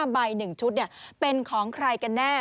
ใบ๑ชุดเป็นของใครกันแน่